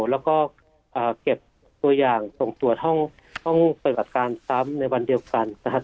แล้วก็อ่าเก็บตัวอย่างส่งตรวจห้องห้องปรากฏการณ์ซ้ำในวันเดียวกันนะครับ